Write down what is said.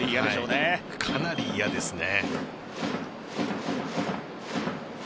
かなり嫌ですね。